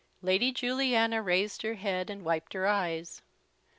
Lady Juliana raised her head, and wiped her eyes.